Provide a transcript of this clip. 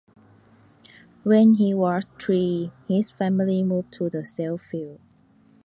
When he was three, his family moved to Sheffield.